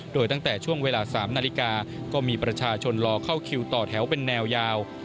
โดยตั้งแต่ช่วงเวลา๓นาฬิกาก็มีประชาชนรอเข้าคิวต่อแถวเป็นแนวยาว